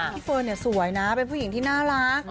เฟิร์นสวยนะเป็นผู้หญิงที่น่ารัก